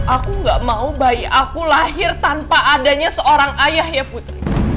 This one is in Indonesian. aku gak mau bayi aku lahir tanpa adanya seorang ayah ya putri